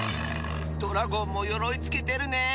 ドラゴンもよろいつけてるね。